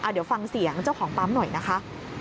เดี๋ยวฟังเสียงเจ้าของปั๊มหน่อยนะคะ